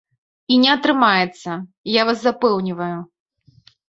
І не атрымаецца, я вас запэўніваю.